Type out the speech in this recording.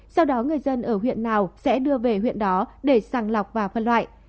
sau đó người dân ở huyện nào sẽ đưa về huyện đó để sàng lọc và phân loại